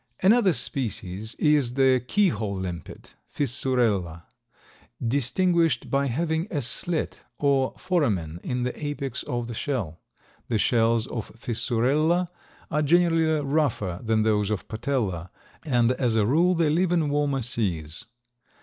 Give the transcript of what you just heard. Another species is the key hole limpet (Fissurella), distinguished by having a slit or foramen in the apex of the shell. The shells of Fissurella are generally rougher than those of Patella, and as a rule they live in warmer seas.